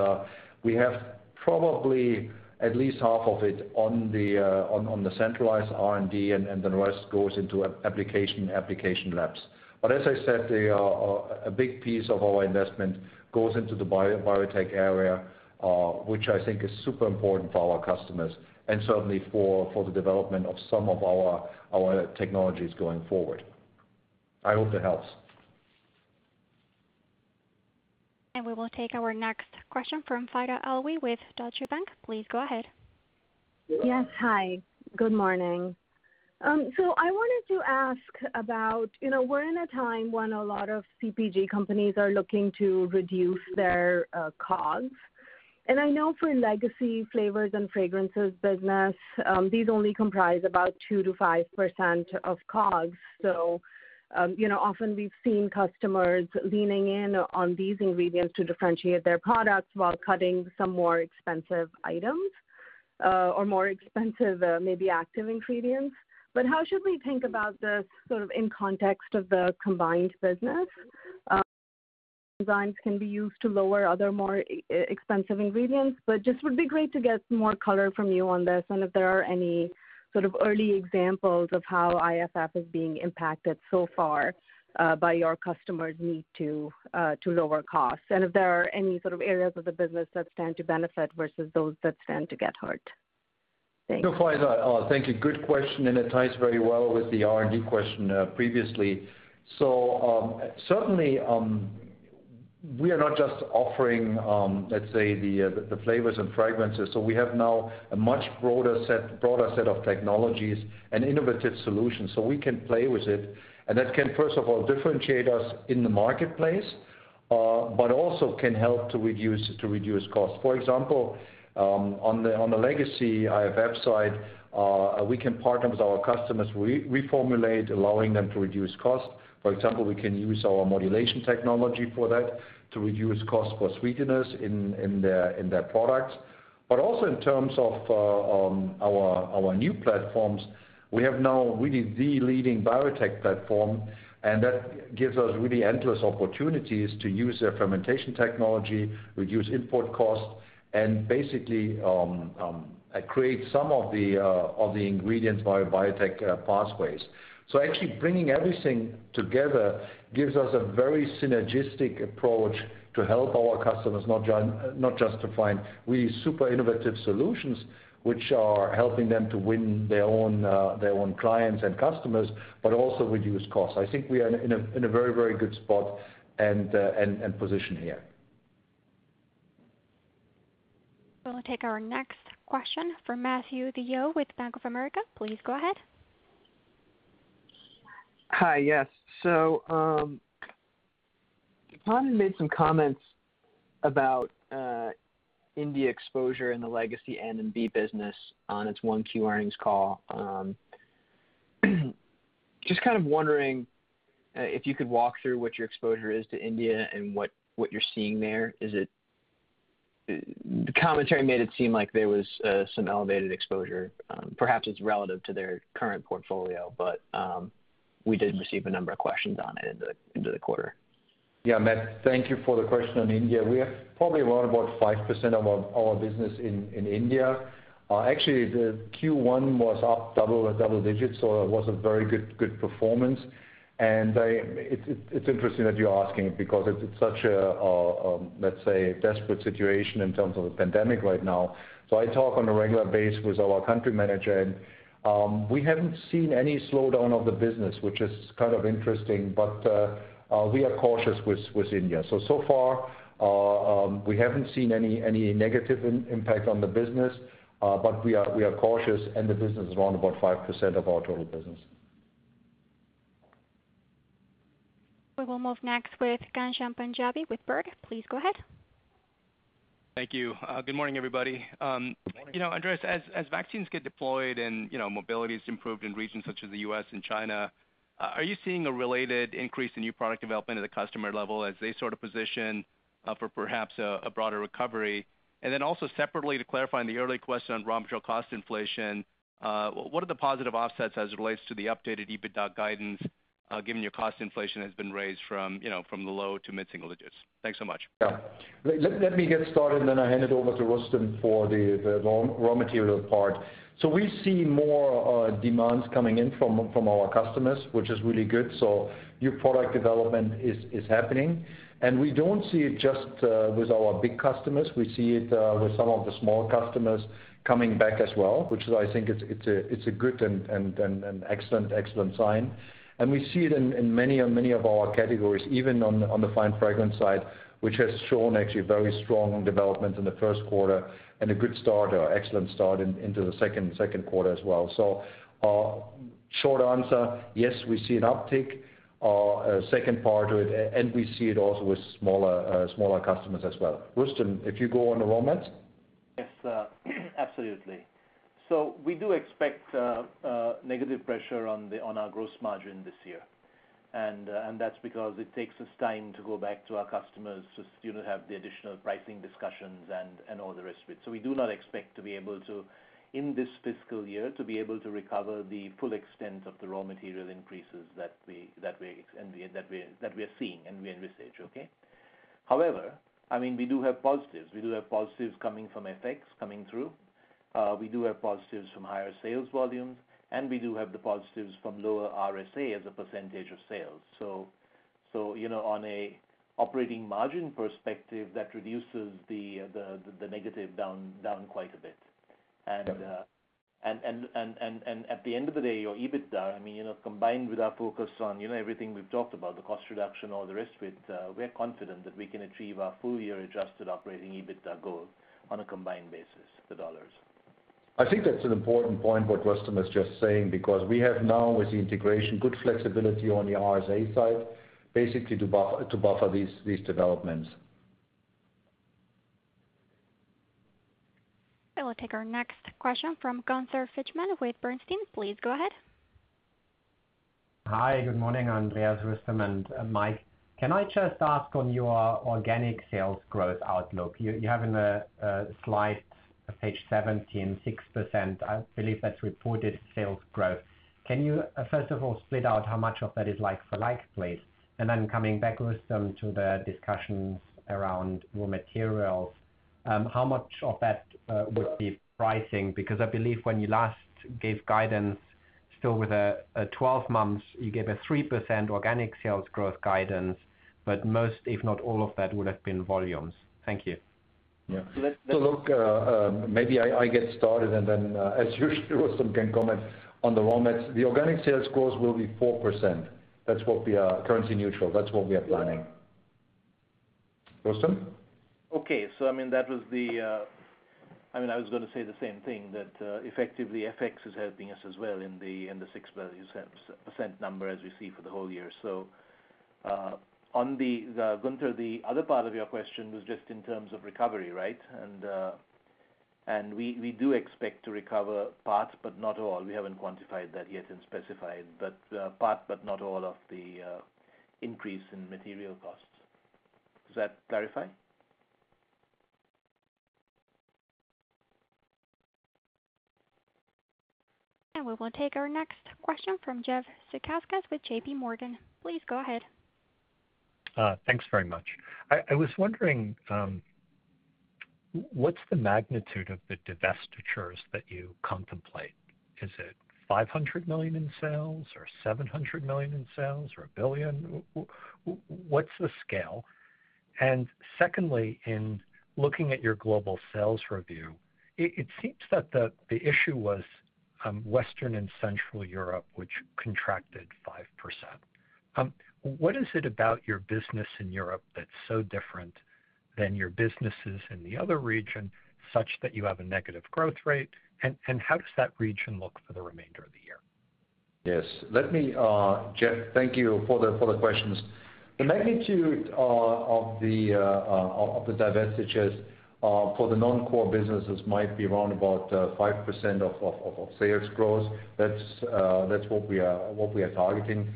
we have probably at least half of it on the centralized R&D, the rest goes into application labs. As I said, a big piece of our investment goes into the biotech area, which I think is super important for our customers and certainly for the development of some of our technologies going forward. I hope that helps. We will take our next question from Faiza Alwy with Deutsche Bank. Please go ahead. Yes. Hi, good morning. I wanted to ask about, we're in a time when a lot of CPG companies are looking to reduce their costs. I know for legacy flavors and fragrances business, these only comprise about 2%-5% of costs. Often we've seen customers leaning in on these ingredients to differentiate their products while cutting some more expensive items, or more expensive, maybe active ingredients. How should we think about this sort of in context of the combined business? Designs can be used to lower other, more expensive ingredients. Just would be great to get some more color from you on this, if there are any sort of early examples of how IFF is being impacted so far by your customers' need to lower costs, if there are any sort of areas of the business that stand to benefit versus those that stand to get hurt. Thanks. No, Faiza. Thank you. Good question. It ties very well with the R&D question previously. Certainly, we are not just offering, let's say, the flavors and fragrances. We have now a much broader set of technologies and innovative solutions, so we can play with it. That can, first of all, differentiate us in the marketplace, but also can help to reduce costs. For example, on the legacy IFF side, we can partner with our customers, reformulate, allowing them to reduce costs. For example, we can use our modulation technology for that to reduce costs for sweeteners in their products. Also in terms of our new platforms, we have now really the leading biotech platform, and that gives us really endless opportunities to use their fermentation technology, reduce import costs, and basically create some of the ingredients via biotech pathways. Actually bringing everything together gives us a very synergistic approach to help our customers, not just to find really super innovative solutions, which are helping them to win their own clients and customers, but also reduce costs. I think we are in a very good spot and position here. We'll take our next question from Matthew DeYoe with Bank of America. Please go ahead. Hi. Yes. Ed Breen made some comments about India exposure in the legacy N&B business on its 1Q earnings call. Just kind of wondering if you could walk through what your exposure is to India and what you're seeing there. Is it? The commentary made it seem like there was some elevated exposure. Perhaps it's relative to their current portfolio, but we did receive a number of questions on it into the quarter. Yeah, Matthew, thank you for the question on India. We have probably around about 5% of our business in India. Actually, the Q1 was up double digits. It was a very good performance. It's interesting that you're asking it because it's such a, let's say, desperate situation in terms of the pandemic right now. I talk on a regular basis with our country manager, and we haven't seen any slowdown of the business, which is kind of interesting. We are cautious with India. So far, we haven't seen any negative impact on the business. We are cautious and the business is around about 5% of our total business. We will move next with Ghansham Panjabi with Baird. Please go ahead. Thank you. Good morning, everybody. Morning. Andreas, as vaccines get deployed and mobility is improved in regions such as the U.S. and China, are you seeing a related increase in new product development at the customer level as they position for perhaps a broader recovery? Also separately, to clarify on the earlier question on raw material cost inflation, what are the positive offsets as it relates to the updated EBITDA guidance, given your cost inflation has been raised from the low to mid-single digits? Thanks so much. Let me get started, and then I'll hand it over to Rustom for the raw material part. We see more demands coming in from our customers, which is really good. New product development is happening, and we don't see it just with our big customers. We see it with some of the small customers coming back as well, which I think it's a good and excellent sign. We see it in many of our categories, even on the fine fragrance side, which has shown actually very strong development in the first quarter and a good start or excellent start into the second quarter as well. Short answer, yes, we see an uptick, a second part to it, and we see it also with smaller customers as well. Rustom, if you go on the raw mats? Yes. Absolutely. We do expect negative pressure on our gross margin this year. That's because it takes us time to go back to our customers to still have the additional pricing discussions and all the rest of it. We do not expect, in this fiscal year, to be able to recover the full extent of the raw material increases that we are seeing and we envisage. Okay? However, we do have positives. We do have positives coming from FX coming through. We do have positives from higher sales volumes, and we do have the positives from lower RSA as a percentage of sales. On a operating margin perspective, that reduces the negative down quite a bit. Yeah. At the end of the day, your EBITDA, combined with our focus on everything we've talked about, the cost reduction, all the rest of it, we're confident that we can achieve our full-year adjusted operating EBITDA goal on a combined basis, the dollars. I think that's an important point, what Rustom was just saying, because we have now with the integration, good flexibility on the RSA side, basically to buffer these developments. I will take our next question from Gunther Zechmann with Bernstein. Please go ahead. Hi, good morning, Andreas, Rustom, and Michael. Can I just ask on your organic sales growth outlook, you have in the slide page 17, 6%? I believe that's reported sales growth. Can you, first of all, split out how much of that is like for like, please? Coming back, Rustom, to the discussions around raw materials, how much of that would be pricing? I believe when you last gave guidance still with a 12 months, you gave a 3% organic sales growth guidance, but most, if not all of that, would've been volumes. Thank you. Yeah. Look, maybe I get started, and then, as usual, Rustom can comment on the raw mats. The organic sales growth will be 4%. That's what we are currency neutral. That's what we are planning. Rustom? Okay. I was going to say the same thing, that effectively FX is helping us as well in the 6% number as we see for the whole year. Gunther, the other part of your question was just in terms of recovery, right? We do expect to recover part, but not all. We haven't quantified that yet and specified, but part but not all of the increase in material costs. Does that clarify? We will take our next question from Jeff Zekauskas with JPMorgan. Please go ahead. Thanks very much. I was wondering, what's the magnitude of the divestitures that you contemplate? Is it $500 million in sales or $700 million in sales or $1 billion? What's the scale? Secondly, in looking at your global sales review, it seems that the issue was Western and Central Europe, which contracted 5%. What is it about your business in Europe that's so different than your businesses in the other region, such that you have a negative growth rate, and how does that region look for the remainder Yes. Jeff, thank you for the questions. The magnitude of the divestitures for the non-core businesses might be around about 5% of sales growth. That's what we are targeting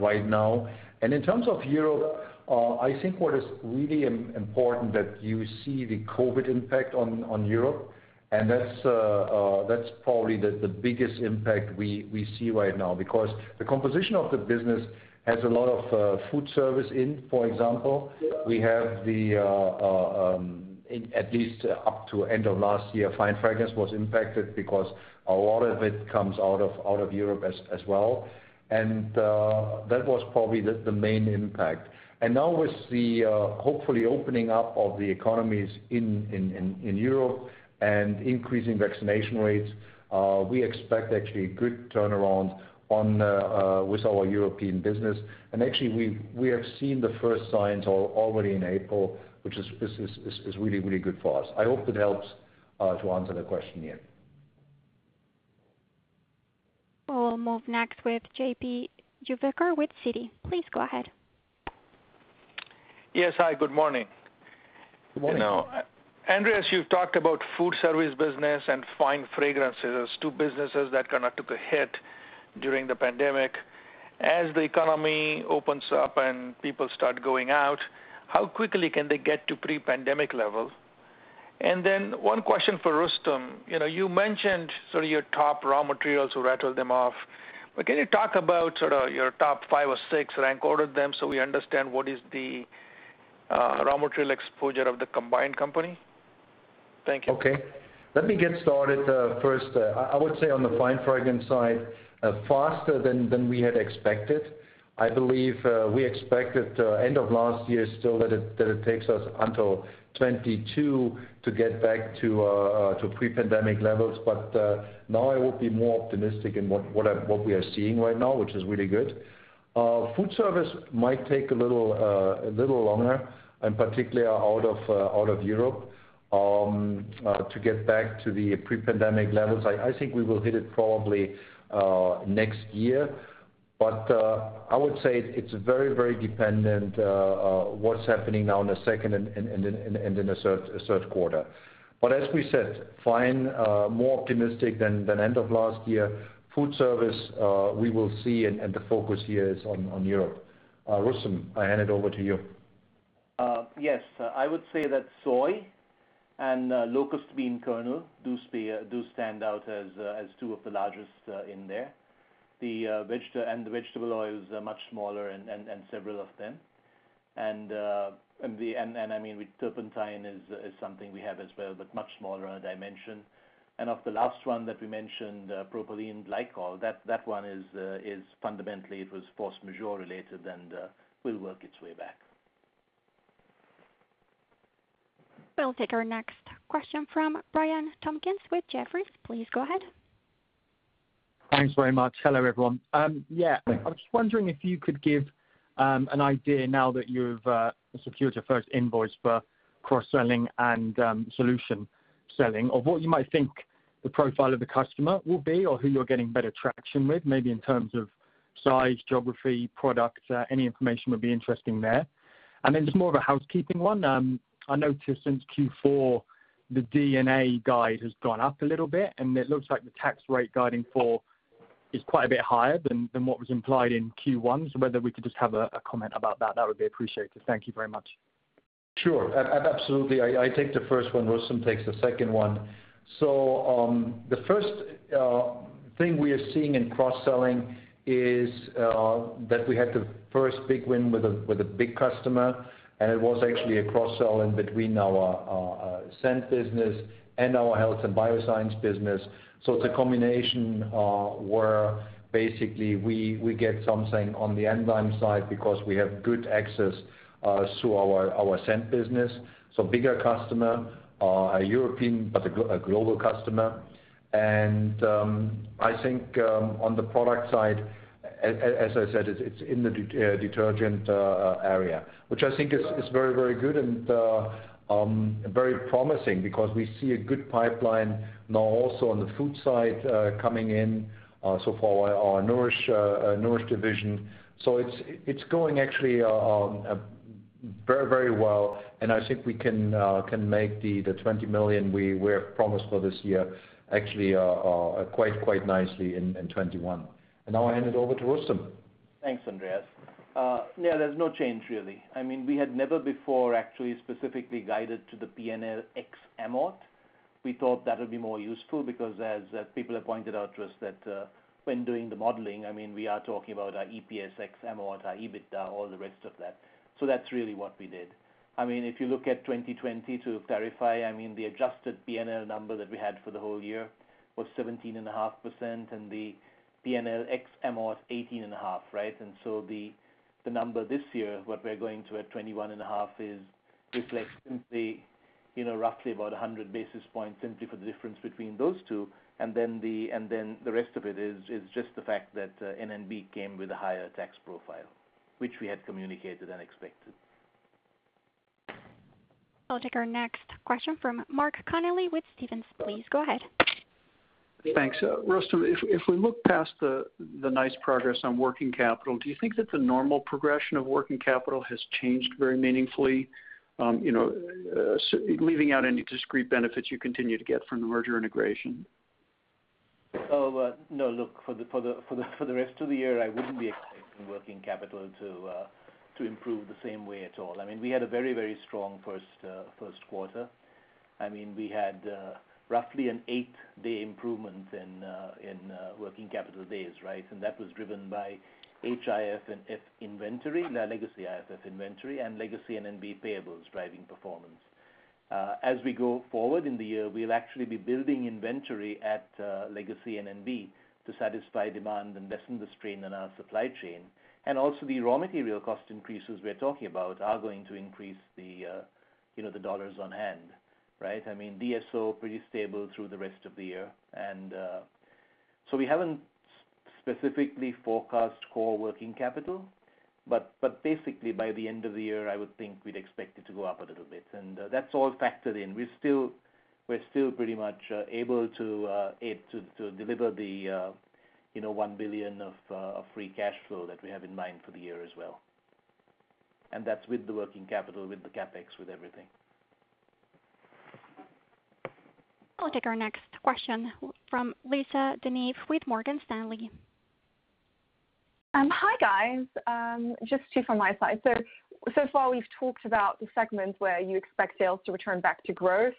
right now. In terms of Europe, I think what is really important that you see the COVID impact on Europe, that's probably the biggest impact we see right now. Because the composition of the business has a lot of food service in, for example. We have the, at least up to end of last year, fine fragrance was impacted because a lot of it comes out of Europe as well. That was probably the main impact. Now with the, hopefully opening up of the economies in Europe and increasing vaccination rates, we expect actually a good turnaround with our European business. Actually, we have seen the first signs already in April, which is really good for us. I hope that helps to answer the question, yeah. We'll move next with P.J. Juvekar with Citi. Please go ahead. Yes, hi, good morning. Good morning. Andreas, you've talked about food service business and fine fragrances, two businesses that took a hit during the pandemic. As the economy opens up and people start going out, how quickly can they get to pre-pandemic level? One question for Rustom. You mentioned sort of your top raw materials, you rattled them off, but can you talk about sort of your top five or six, rank order them so we understand what is the raw material exposure of the combined company? Thank you. Okay. Let me get started first. I would say on the fine fragrance side, faster than we had expected. I believe we expected end of last year still that it takes us until 2022 to get back to pre-pandemic levels. Now I would be more optimistic in what we are seeing right now, which is really good. Food service might take a little longer, and particularly out of Europe, to get back to the pre-pandemic levels. I think we will hit it probably next year. I would say it's very dependent what's happening now in the second and in the third quarter. As we said, fine, more optimistic than end of last year. Food service, we will see, and the focus here is on Europe. Rustom, I hand it over to you. Yes. I would say that soy and locust bean kernel do stand out as two of the largest in there. The vegetable oils are much smaller and several of them. Turpentine is something we have as well, but much smaller dimension. Of the last one that we mentioned, propylene glycol, that one is fundamentally, it was force majeure related and will work its way back. We'll take our next question from Ryan Tomkins with Jefferies. Please go ahead. Thanks very much. Hello, everyone. Yeah. I was just wondering if you could give an idea now that you've secured your first invoice for cross-selling and solution selling of what you might think the profile of the customer will be or who you're getting better traction with, maybe in terms of size, geography, product. Any information would be interesting there. Just more of a housekeeping one. I noticed since Q4, the D&A guide has gone up a little bit, and it looks like the tax rate guide in Q4 is quite a bit higher than what was implied in Q1. Whether we could just have a comment about that would be appreciated. Thank you very much. Sure. Absolutely. I take the first one, Rustom takes the second one. The first thing we are seeing in cross-selling is that we had the first big win with a big customer, and it was actually a cross-sell in between our Scent business and our Health & Biosciences business. It's a combination where basically we get something on the enzyme side because we have good access to our Scent business. Bigger customer, a European but a global customer. I think on the product side, as I said, it's in the detergent area. Which I think is very good and very promising because we see a good pipeline now also on the food side coming in so far, our Nourish division. It's going actually very well, and I think we can make the $20 million we have promised for this year actually quite nicely in 2021. Now I hand it over to Rustom. Thanks, Andreas. Yeah, there's no change really. We had never before actually specifically guided to the P&L ex Amort. We thought that would be more useful because as people have pointed out to us that when doing the modeling, we are talking about our EPS ex Amort, our EBITDA, all the rest of that. That's really what we did. If you look at 2020 to clarify, the adjusted P&L number that we had for the whole year was 17.5% and the P&L ex Amort 18.5%, right? The number this year, what we're going to at 21.5% is reflects simply roughly about 100 basis points simply for the difference between those two, and then the rest of it is just the fact that N&B came with a higher tax profile, which we had communicated and expected. I'll take our next question from Mark Connelly with Stephens. Please go ahead. Thanks. Rustom, if we look past the nice progress on working capital, do you think that the normal progression of working capital has changed very meaningfully, leaving out any discrete benefits you continue to get from the merger integration? Oh, no. Look, for the rest of the year, I wouldn't be expecting working capital to improve the same way at all. We had a very strong first quarter. We had roughly an eight-day improvement in working capital days. Right? That was driven by F&F inventory, now legacy IFF inventory, and legacy N&B payables driving performance. We go forward in the year, we'll actually be building inventory at legacy N&B to satisfy demand and lessen the strain on our supply chain. Also, the raw material cost increases we're talking about are going to increase the dollars on hand. Right? DSO pretty stable through the rest of the year. We haven't specifically forecast core working capital, but basically by the end of the year, I would think we'd expect it to go up a little bit. That's all factored in. We're still pretty much able to deliver the $1 billion of free cash flow that we have in mind for the year as well. That's with the working capital, with the CapEx, with everything. I'll take our next question from Lisa De Neve with Morgan Stanley. Hi, guys. Just two from my side. So far we've talked about the segments where you expect sales to return back to growth.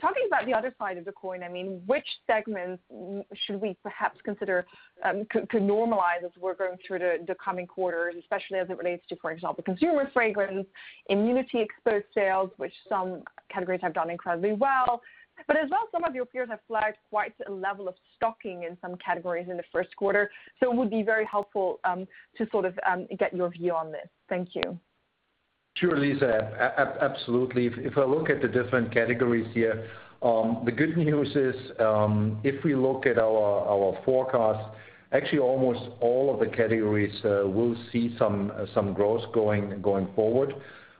Talking about the other side of the coin, which segments should we perhaps consider could normalize as we're going through the coming quarters, especially as it relates to, for example, consumer fragrance, immunity exposed sales, which some categories have done incredibly well. As well, some of your peers have flagged quite a level of stocking in some categories in the first quarter. It would be very helpful to sort of get your view on this. Thank you. Sure, Lisa. Absolutely. If I look at the different categories here, the good news is, if we look at our forecast, actually almost all of the categories will see some growth going forward,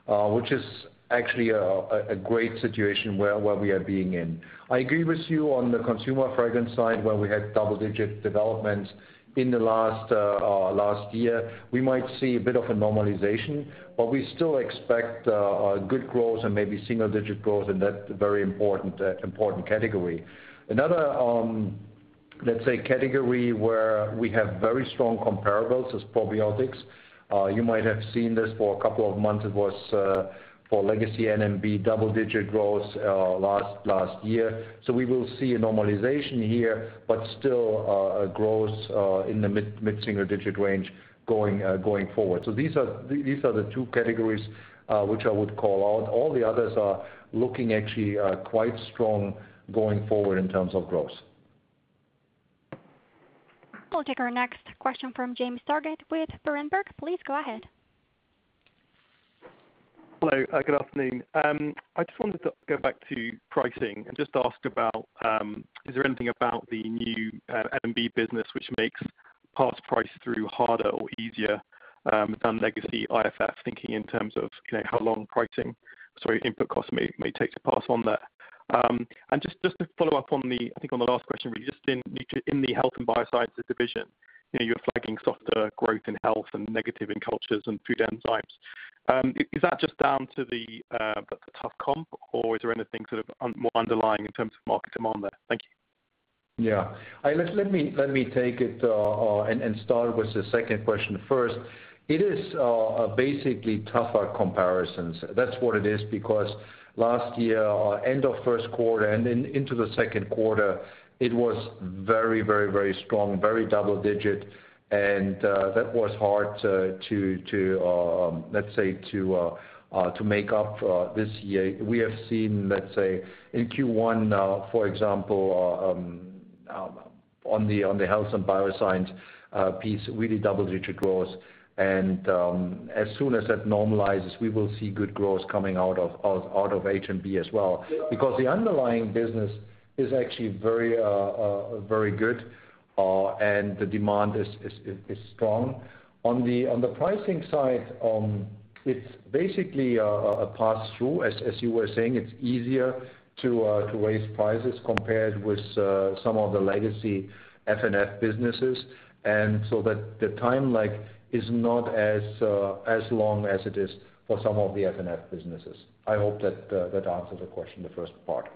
which is actually a great situation where we are being in. I agree with you on the consumer fragrance side where we had double-digit development in the last year. We might see a bit of a normalization, but we still expect good growth and maybe single-digit growth in that very important category. Another, let's say, category where we have very strong comparables is probiotics. You might have seen this for a couple of months. It was for legacy N&B double-digit growth last year. We will see a normalization here, but still a growth in the mid-single digit range going forward. These are the two categories which I would call out. All the others are looking actually quite strong going forward in terms of growth. I'll take our next question from James Targett with Berenberg. Please go ahead. Hello, good afternoon. I just wanted to go back to pricing and just ask about, is there anything about the new N&B business which makes pass price through harder or easier than legacy IFF? Thinking in terms of how long input cost may take to pass on that. Just to follow up on the, I think on the last question really, just in the Health & Biosciences division, you're flagging softer growth in health and negative in cultures and food enzymes. Is that just down to the tough comp or is there anything sort of more underlying in terms of market demand there? Thank you. Yeah. Let me take it and start with the second question first. It is basically tougher comparisons. That's what it is, because last year, end of first quarter and into the second quarter, it was very strong, very double-digit, and that was hard to, let's say, to make up this year. We have seen, let's say, in Q1 now, for example, on the Health & Biosciences piece, really double-digit growth. As soon as that normalizes, we will see good growth coming out of H&B as well. The underlying business is actually very good and the demand is strong. On the pricing side, it's basically a pass-through, as you were saying. It's easier to raise prices compared with some of the legacy F&F businesses. The time lag is not as long as it is for some of the F&F businesses. I hope that answers the question, the first part.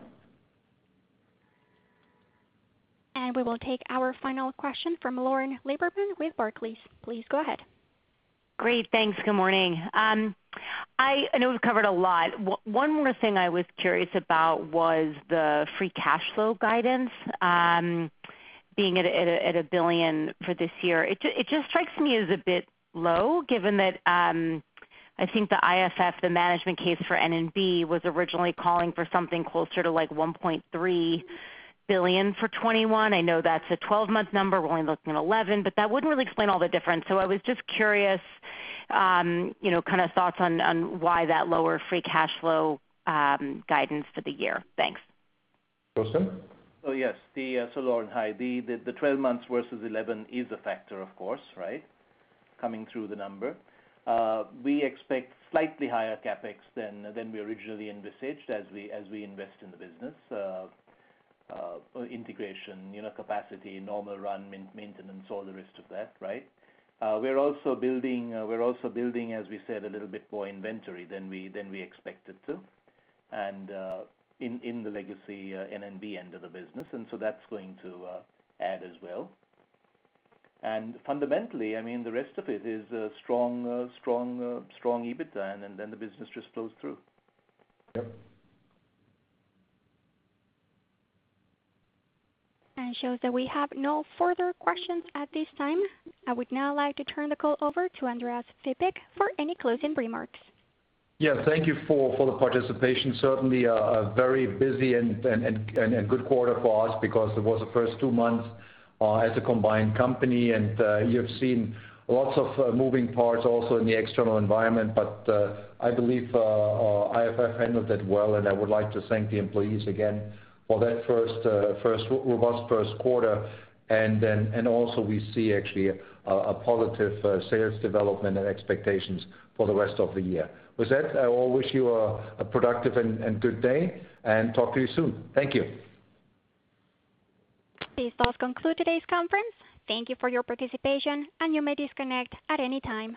We will take our final question from Lauren Lieberman with Barclays. Please go ahead. Great. Thanks. Good morning. I know we've covered a lot. One more thing I was curious about was the free cash flow guidance being at $1 billion for this year. It just strikes me as a bit low given that, I think the IFF, the management case for N&B was originally calling for something closer to like $1.3 billion for 2021. I know that's a 12-month number. We're only looking at 11, but that wouldn't really explain all the difference. I was just curious, kind of thoughts on why that lower free cash flow guidance for the year? Thanks. Rustom? Oh, yes. Lauren, hi. The 12 months versus 11 is a factor, of course, right? Coming through the number. We expect slightly higher CapEx than we originally envisaged as we invest in the business. Integration, capacity, normal run, maintenance, all the rest of that. Right? We're also building, as we said, a little bit more inventory than we expected to in the legacy N&B end of the business. That's going to add as well. Fundamentally, the rest of it is strong EBITDA, and then the business just flows through. Yep. It shows that we have no further questions at this time. I would now like to turn the call over to Andreas Fibig for any closing remarks. Thank you for the participation. Certainly a very busy and good quarter for us because it was the first two months as a combined company, and you have seen lots of moving parts also in the external environment. I believe IFF handled that well, and I would like to thank the employees again for that robust first quarter. Also we see actually a positive sales development and expectations for the rest of the year. With that, I will wish you a productive and good day, and talk to you soon. Thank you. This does conclude today's conference. Thank you for your participation. You may disconnect at any time.